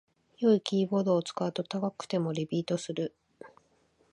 良いキーボードを使うと高くてもリピートする